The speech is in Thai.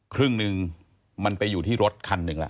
ครึ่งหนึ่งมันไปอยู่ที่รถคันหนึ่งล่ะ